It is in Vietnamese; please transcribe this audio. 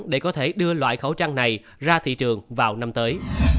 để có thể đưa loại khẩu trang này ra thị trường vào năm tới